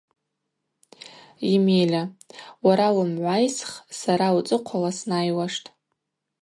Емеля: Уара уымгӏвайсх, сара уцӏыхъвала снайуаштӏ.